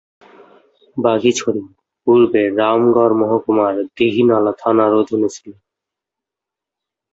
বাঘাইছড়ি পূর্বে রামগড় মহকুমার দীঘিনালা থানার অধীনে ছিল।